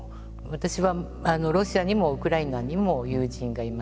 私はロシアにもウクライナにも友人がいます。